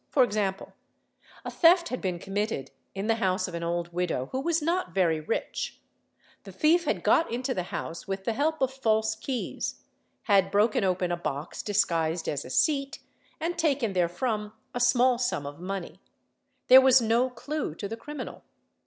For example:—a theft had been — committed in the house of an old widow, who was not very rich; the | thief had got into the house with the help of false keys, had broken open a box disguised as a seat, and taken therefrom a small sum of money. There was no clue to the criminal.